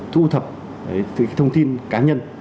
thu thập thông tin cá nhân